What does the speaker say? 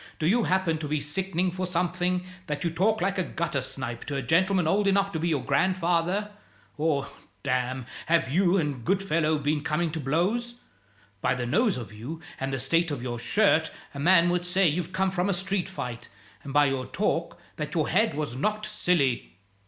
Do you happen to be sickening for something, that you talk like a gutter snipe to a gentleman old enough to be your grandfather? Or, damme, have you and Goodfellow been coming to blows? By the nose of you and the state of your shirt a man would say you've come from a street fight; and by your talk, that your head was knocked silly."